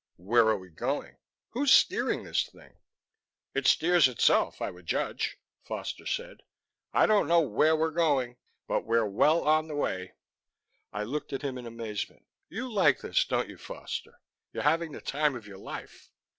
"Where are we going? Who's steering this thing?" "It steers itself, I would judge," Foster said. "I don't know where we're going, but we're well on the way." I looked at him in amazement. "You like this, don't you, Foster? You're having the time of your life."